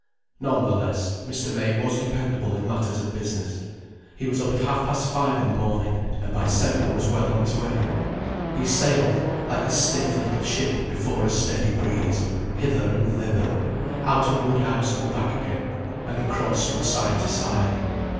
None the less, Mr. May was dependable in matters of business. He was up at half past five in the morning, and by seven was well on his way. He sailed like a stiff little ship before a steady breeze, hither and thither, out of Woodhouse and back again, and across from side to side.